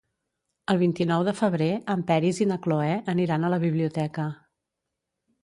El vint-i-nou de febrer en Peris i na Cloè aniran a la biblioteca.